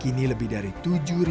kini lebih dari tujuh disini